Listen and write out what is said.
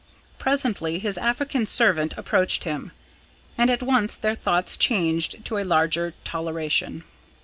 Presently his African servant approached him, and at once their thoughts changed to a larger toleration.